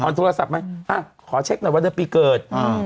โทรศัพท์ไหมอ่ะขอเช็คหน่อยว่าเดือนปีเกิดอ่า